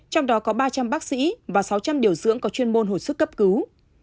trong đó có ba trăm linh bác sĩ và sáu trăm linh điều dưỡng có chuyên môn hồi sức cấp cứu